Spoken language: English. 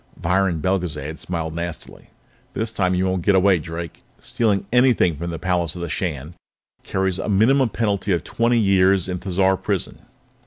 Viron Belgezad smiled nastily. "This time you won't get away, Drake! Stealing anything from the palace of the Shan carries a minimum penalty of twenty years in Thizar Prison."